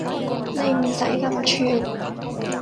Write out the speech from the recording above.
你唔使咁串